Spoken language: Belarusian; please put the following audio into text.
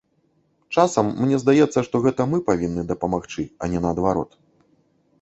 Часам мне здаецца, што гэта мы павінны дапамагчы, а не наадварот.